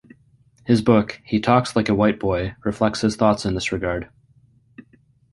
His book, "He Talk Like a White Boy", reflects his thoughts in this regard.